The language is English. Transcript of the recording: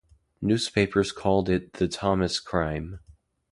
Newspapers called it The Thomas Crime.